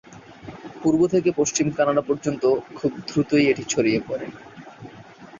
পূর্ব থেকে পশ্চিম কানাডা পর্যন্ত খুব দ্রুতই এটি ছড়িয়ে পড়ে।